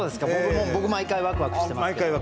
僕毎回ワクワクしてますけど。